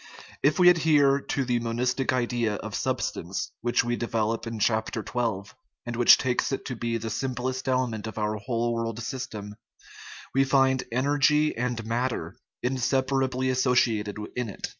If we adhere to the monistic idea of substance, which we develop in chap, xii., and which takes it to be the simplest element of our whole world system, we find energy and matter inseparably associated in it.